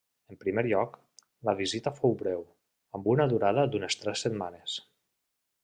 En primer lloc, la visita fou breu, amb una durada d'unes tres setmanes.